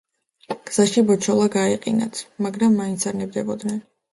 გზაში ბოჩოლა გაეყინათ, მაგრამ მაინც არ ნებდებოდნენ.